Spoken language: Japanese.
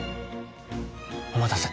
お待たせ。